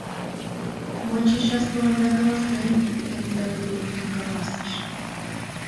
Мый чечас тыланда каласем! кенета тудо луктын каласыш.